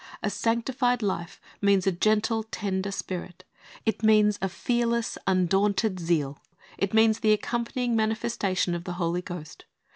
A sanctified life means a gentle, tender spirit ; it means a fearless, undaunted zeal ; it means the accompanying manifestation of the Holy Ghost.